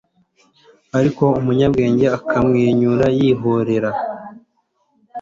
ariko umunyabwenge akamwenyura yihoreye